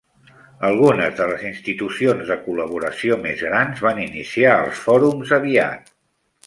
Algunes de les institucions de col·laboració més grans van iniciar els fòrums aviat.